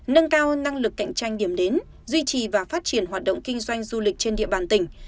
nâng cao năng lực cạnh tranh điểm đến duy trì và phát triển hoạt động kinh doanh du lịch trên địa bàn tỉnh